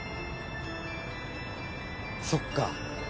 そっか。